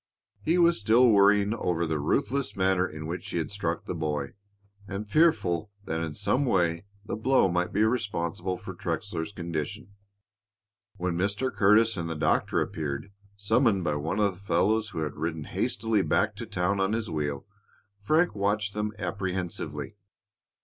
He was still worrying over the ruthless manner in which he had struck the boy, and fearful that in some way the blow might be responsible for Trexler's condition. When Mr. Curtis and the doctor appeared, summoned by one of the fellows who had ridden hastily back to town on his wheel, Frank watched them apprehensively.